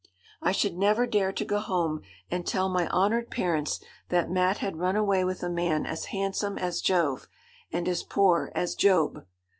'I should never dare to go home and tell my honoured parents that Mat had run away with a man as handsome as Jove, and as poor as Job.